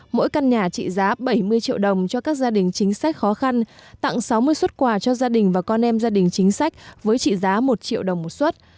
mỗi căn nhà trị giá bảy mươi triệu đồng cho các gia đình chính sách khó khăn tặng sáu mươi xuất quà cho gia đình và con em gia đình chính sách với trị giá một triệu đồng một xuất